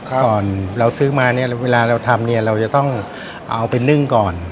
ก่อนเราซื้อมาเนี่ยเวลาเราทำเนี่ยเราจะต้องเอาไปนึ่งก่อน